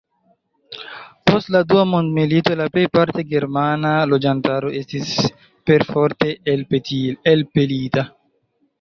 Post la dua mondmilito la plej parte germana loĝantaro estis perforte elpelita.